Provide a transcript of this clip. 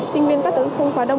sinh viên các tổ cũng không quá đông